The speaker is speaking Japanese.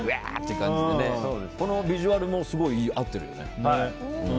このビジュアルもすごい合ってるよね。